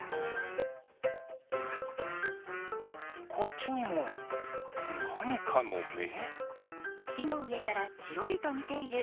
こっちにもなにかのめ？